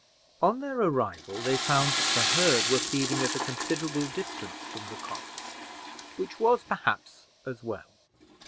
On their arrival, they found that the herd were feeding at a considerable distance from the copse, which was, perhaps, as well.